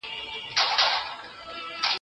هغه څوک چي جواب ورکوي پوهه زياتوي!؟